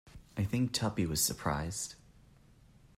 I think Tuppy was surprised.